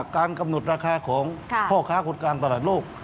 การกำหนดราคาของพ่อค้าคนการตลาดโลก